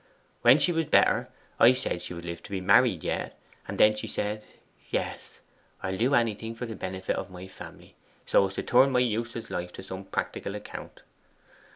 When she was better, I said she would live to be married yet, and she said then, "Yes; I'll do anything for the benefit of my family, so as to turn my useless life to some practical account."